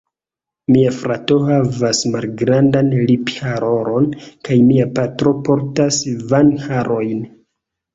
Mia frato havas malgrandan liphararon kaj mia patro portas vangharojn.